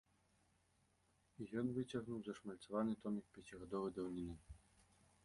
І ён выцягнуў зашмальцаваны томік пяцігадовай даўніны.